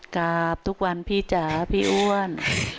กราบทุกวันพี่จ๋าพี่อ้วน